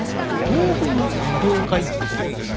道具の妖怪っていうのが多いんです。